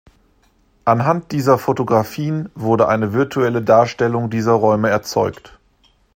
Anhand dieser Fotografien wurde eine virtuelle Darstellung dieser Räume erzeugt.